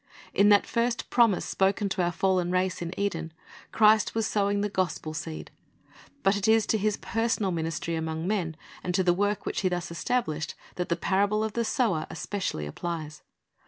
In that first promise spoken to our fallen race in Eden, Christ was sowing the gospel seed. But it is to His personal ministry among men, and to the work which He thus established, that the parable of the sower especially applies.